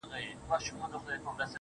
زما و فكر ته هـا سـتا د كور كوڅـه راځي.